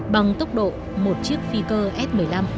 bằng tốc độ một chiếc phi cơ s một mươi năm